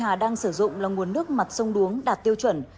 hà đang sử dụng là nguồn nước mặt sông đuống đạt tiêu chuẩn